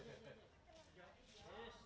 jadi kita harus berhenti menurut saya